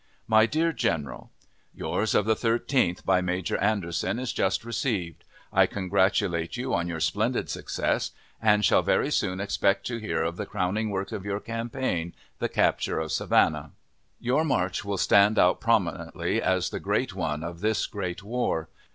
My DEAR GENERAL: Yours of the 13th, by Major Anderson, is just received. I congratulate you on your splendid success, and shall very soon expect to hear of the crowning work of your campaign the capture of Savannah. Your march will stand out prominently as the great one of this great war.